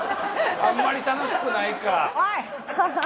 あんまり楽しくないか。